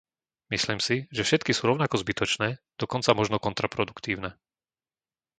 Myslím si, že všetky sú rovnako zbytočné, dokonca možno kontraproduktívne.